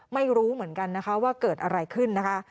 ไม่รู้เหมือนกันนะคะว่าเกิดอะไรขึ้นนะคะ